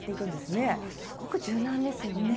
そうすごく柔軟ですよね。